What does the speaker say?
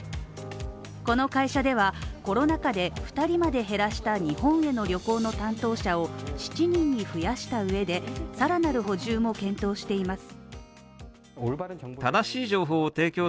この会社では、コロナ禍で２人まで減らした日本への旅行の担当者を７人に増やした上で、さらなる補充も検討しています。